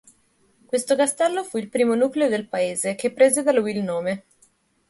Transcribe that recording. Questo castello fu il primo nucleo del paese, che prese da lui il nome.